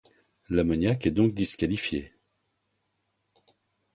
L'ammoniac est donc disqualifié.